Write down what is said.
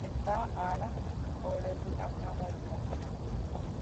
Heta ára orepyʼakavaipa.